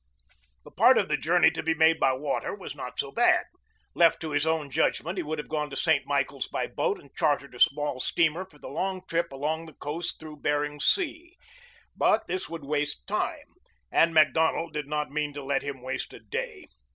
The part of the journey to be made by water was not so bad. Left to his own judgment, he would have gone to St. Michael's by boat and chartered a small steamer for the long trip along the coast through Bering Sea. But this would take time, and Macdonald did not mean to let him waste a day.